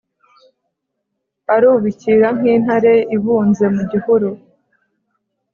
arubikira nk'intare ibunze mu gihuru